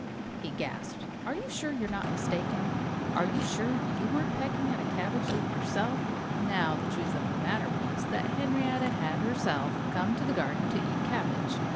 he gasped. "Are you sure you're not mistaken? Are you sure you weren't pecking at a cabbage leaf yourself?" Now, the truth of the matter was that Henrietta had herself come to the garden to eat cabbage.